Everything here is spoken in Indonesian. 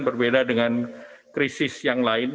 berbeda dengan krisis yang lain